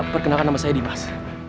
perkenalkan nama saya dimas